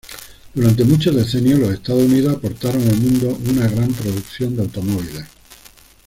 Durante muchos decenios los Estados Unidos aportaron al mundo una gran producción de automóviles.